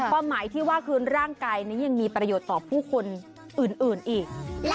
ความหมายที่ว่าคืนร่างกายนี้ยังมีประโยชน์ต่อผู้คนอื่นอีก